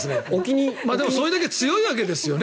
それだけ強いわけですよね